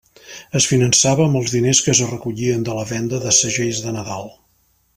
Es finançava amb els diners que es recollien de la venda de segells de Nadal.